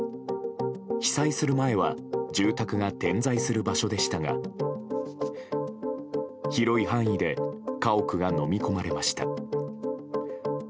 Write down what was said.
被災する前は住宅が点在する場所でしたが広い範囲で家屋がのみ込まれました。